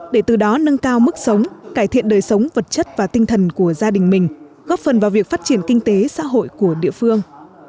để từ đó nâng cao mức sống cải thiện đời sống vật chất và tinh thần của gia đình mình góp phần vào việc phát triển kinh tế xã hội của địa phương